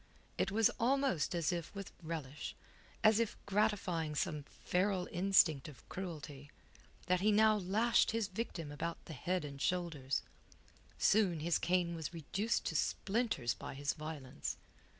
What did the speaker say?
It was almost as if with relish, as if gratifying some feral instinct of cruelty, that he now lashed his victim about head and shoulders. Soon his cane was reduced, to splinters by his violence.